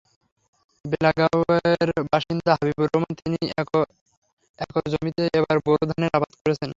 বেলাগাঁওয়ের বাসিন্দা হাবিবুর রহমান তিন একর জমিতে এবার বোরো ধানের আবাদ করেছেন।